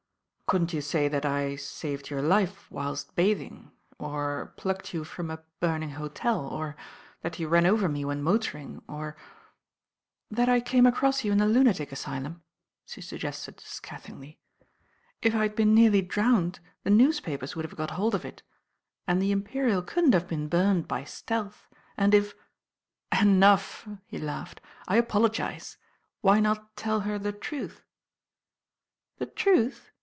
"Couldn't you say that I saved your life whilst bathing, or plucked you from a burning hotel, or that you ran over me when motoring, or " "That I came across you in a lunatic asylum,'* •he suggested scathingly. "If I had been nearly ai3 t li i; jlli •J* THE BAIN OIRL drowned the newtpipert would have got hold of it, »nd the Imperial couldn't have been burned by Wealth, and if "^ "Enough," he laughed. "I apologi.e. Why not tell her the truth?" ' "The truth?"